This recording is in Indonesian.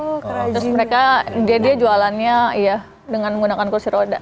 terus mereka dia jualannya ya dengan menggunakan kursi roda